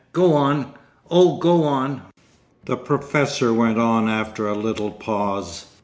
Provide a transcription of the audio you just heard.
Go on! Oh, go on!' The professor went on after a little pause.